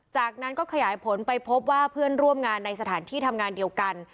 จากนั้นก็ขยายผลไปพบว่าเพื่อนร่วมงานในสถานที่ทำงานเดียวกัน